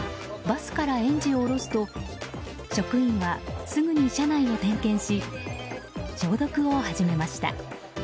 バスから園児を降ろすと職員はすぐに車内を点検し消毒を始めました。